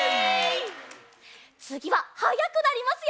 つぎははやくなりますよ！